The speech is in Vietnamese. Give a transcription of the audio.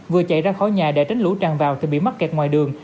vừa chạy ra khỏi nhà để tránh lũ tràn vào thì bị mắc kẹt ngoài đường